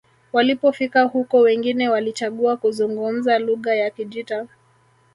walipofika huko wengine walichagua kuzungumza lugha ya kijita